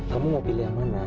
kamu mau pilih yang mana